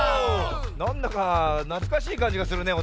なんだかなつかしいかんじがするね。